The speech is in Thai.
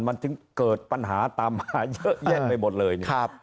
มันถึงเกิดปัญหาตามมาเยอะแยะไปหมดเลยเนี่ย